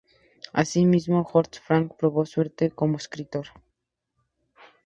Así mismo, Horst Frank probó suerte como escritor.